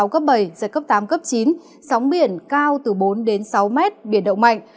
giật cấp tám chín sóng biển cao từ bốn sáu m biển đông mạnh